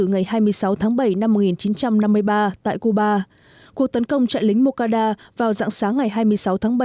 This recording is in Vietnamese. ngày hai mươi sáu tháng bảy năm một nghìn chín trăm năm mươi ba tại cuba cuộc tấn công trại lính moncada vào dạng sáng ngày hai mươi sáu tháng bảy